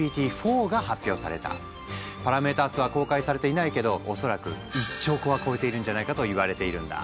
パラメータ数は公開されていないけどおそらく１兆個は超えているんじゃないかといわれているんだ。